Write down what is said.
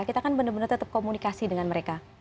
kita kan benar benar tetap komunikasi dengan mereka